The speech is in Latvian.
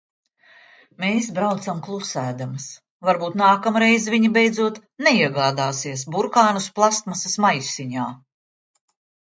Mēs braucam klusēdamas. Varbūt nākamreiz viņa beidzot neiegādāsies burkānus plastmasas maisiņā.